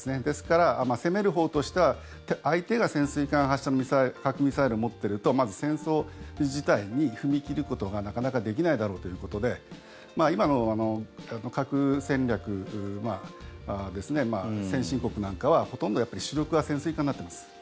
ですから、攻めるほうとしては相手が潜水艦発射核ミサイルを持っているとまず戦争自体に踏み切ることがなかなかできないだろうということで今の核戦略ですね先進国なんかは、ほとんど主力は潜水艦になってます。